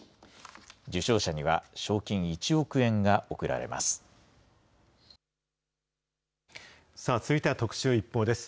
受賞者には、賞金１億円が贈られます。